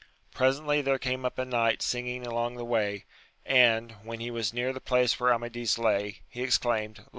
Presently there came up a knight singing along the way, and, when he was near the place where Amadis lay, he exclaimed.